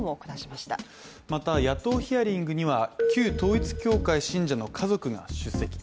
また、野党ヒアリングには旧統一教会信者の家族が出席。